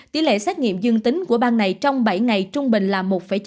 tỷ lệ xét nghiệm dương tính của bang này trong bảy ngày trung bình là một chín